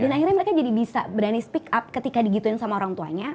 dan akhirnya mereka jadi bisa berani speak up ketika digituin sama orang tuanya